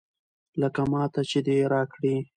لکه ماته چې دې راکړي.